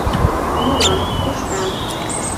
Мура, кушта